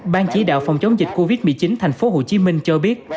ban chỉ đạo phòng chống dịch covid một mươi chín tp hcm cho biết